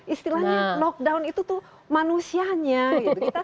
istilahnya lockdown itu tuh manusianya gitu